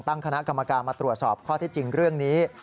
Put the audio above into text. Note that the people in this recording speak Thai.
ตั้งคณะกรรมการมาตรวจสอบข้อที่จริงเรื่องนี้